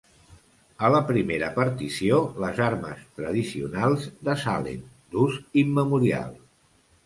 A la primera partició, les armes tradicionals de Salem, d'ús immemorial.